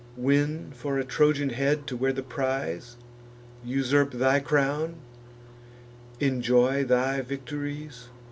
Win, for a Trojan head to wear the prize, Usurp thy crown, enjoy thy victories?